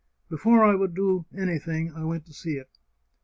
Before I would do anything I went to see it.